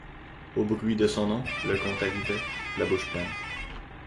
Au bruit de son nom, le comte arrivait, la bouche pleine.